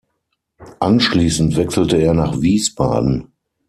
Anschließend wechselte er nach Wiesbaden.